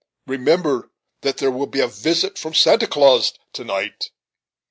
remember that there will be a visit from Santa Claus * to night."